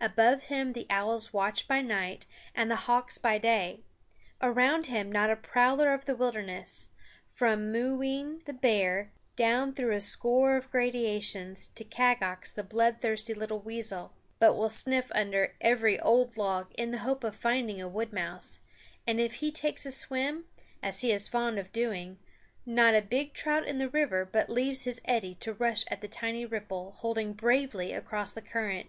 Above him the owls watch by night and the hawks by day; around him not a prowler of the wilderness, from Mooween the bear down through a score of gradations, to Kagax the bloodthirsty little weasel, but will sniff under every old log in the hope of finding a wood mouse; and if he takes a swim, as he is fond of doing, not a big trout in the river but leaves his eddy to rush at the tiny ripple holding bravely across the current.